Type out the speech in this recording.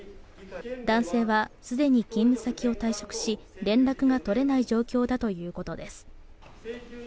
男性はすでに勤務先を退職し連絡が取れない状況だということです。